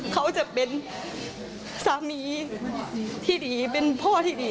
เขาจะเป็นสามีที่ดีเป็นพ่อที่ดี